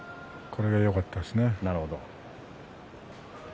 これがよかったですね。